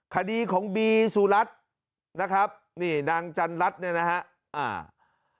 คดีของบีสุรัตน์นะครับนี่นางจันรัฐเนี่ยนะฮะอ่า